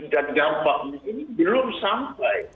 dan dampaknya ini belum sampai